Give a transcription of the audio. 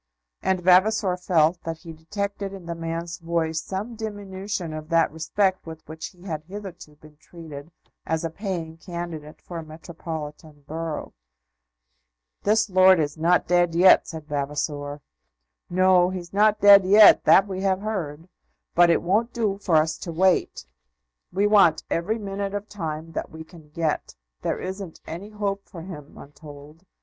And Vavasor felt that he detected in the man's voice some diminution of that respect with which he had hitherto been treated as a paying candidate for a metropolitan borough. "This lord is not dead yet," said Vavasor. "No; he's not dead yet, that we have heard; but it won't do for us to wait. We want every minute of time that we can get. There isn't any hope for him, I'm told.